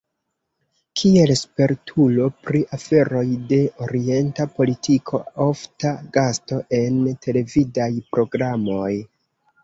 Kiel spertulo pri aferoj de orienta politiko ofta gasto en televidaj programoj.